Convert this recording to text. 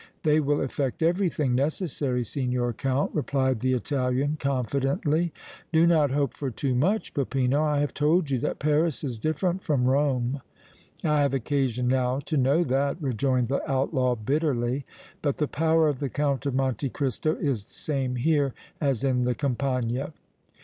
"They will effect everything necessary, Signor Count," replied the Italian, confidently. "Do not hope for too much, Peppino. I have told you that Paris is different from Rome." "I have occasion now to know that," rejoined the outlaw, bitterly. "But the power of the Count of Monte Cristo is the same here as in the campagna!"